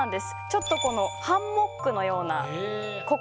ちょっとこのハンモックのような心地いい揺れ方。